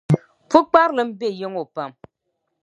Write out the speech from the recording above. Pukparilim be ya ŋɔ pam.